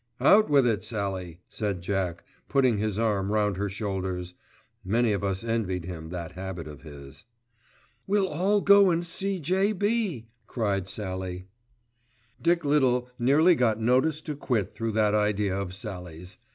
"Out with it, Sallie," said Jack, putting his arm round her shoulders. Many of us envied him that habit of his. "We'll all go and see J.B.," cried Sallie. Dick Little nearly got notice to quit through that idea of Sallie's.